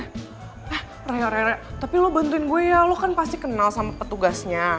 eh raya raya tapi lo bantuin gue ya lo kan pasti kenal sama petugasnya